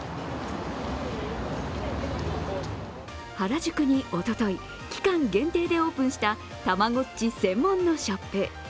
原宿におととい、期間限定でオープンしたたまごっち専門のショップ。